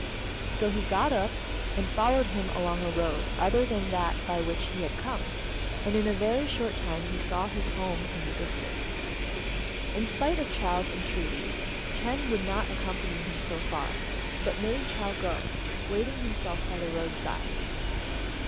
So he got up and followed him along a road other than that by which he had come, and in a very short time he saw his home in the distance. In spite of Chou's entreaties, Ch'êng would not accompany him so far, but made Chou go, waiting himself by the roadside.